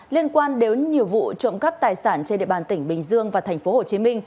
liên quan đến nhiều vụ trộm cắp tài sản trên địa bàn tỉnh bình dương và tp hcm